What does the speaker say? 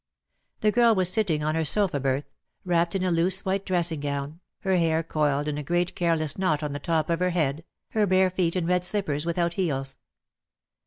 The girl was sitting on her sofa berth — wrapped DEAD L0\^ HAS CHAINS. t^ in a loose white dressing gown, her hair coiled in a great careless knot on the top of her head, her bare feet in red slippers without heels.